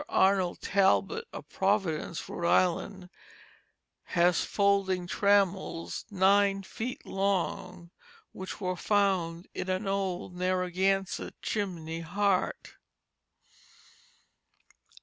Arnold Talbot, of Providence, Rhode Island, has folding trammels, nine feet long, which were found in an old Narragansett chimney heart.